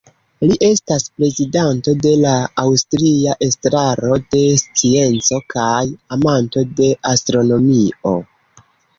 Li estas prezidanto de la Aŭstria Estraro de Scienco kaj amanto de astronomio.